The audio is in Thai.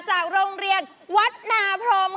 จากโรงเรียนวัดนาพรมค่ะ